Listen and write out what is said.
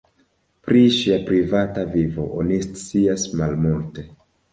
Pri ŝia privata vivo oni scias malmulte.